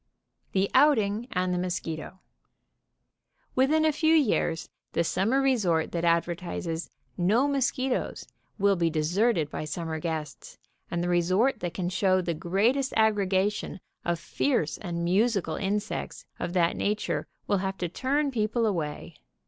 128 THE OUTING AND THE MOSQUITO THE OUTING AND THE MOSQUITO. Within a few years the summer resort that adver tises "No mosquitoes," will be deserted by summer guests, and the resort that can show the greatest aggregation of fierce and musical insects of that na ture will have to turn people away.